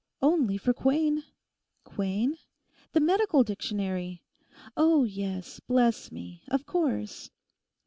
'Only for Quain.' '"Quain"?' 'The medical Dictionary.' 'Oh, yes; bless me; of course....